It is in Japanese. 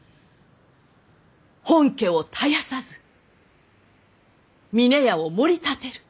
本家を絶やさず峰屋をもり立てる。